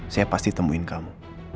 saya pasti temuin kamu